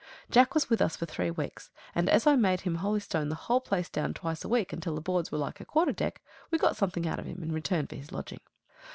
Jack was with us for three weeks; and as I made him holystone the whole place down twice a week until the boards were like a quarter deck, we got something out of him in return for his lodging.